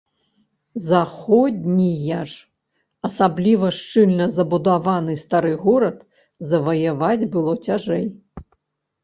Заходнія ж, асабліва шчыльна забудаваны стары горад, заваяваць было цяжэй.